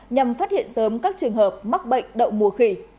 nhằm phát hiện sớm các trường hợp mắc bệnh đậu mùa khỉ